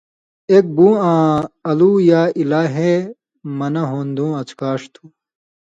ایک بُو آں الُو یا الہے منہ ہون٘دُوں اڅھکاݜ تھُو۔